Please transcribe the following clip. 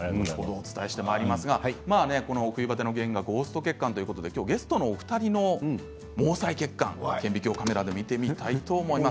冬バテの血管がゴースト血管ということでゲストのお二人の毛細血管を顕微鏡カメラで見てみたいと思います。